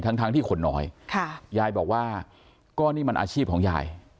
ทั้งทั้งที่คนน้อยค่ะยายบอกว่าก็นี่มันอาชีพของยาย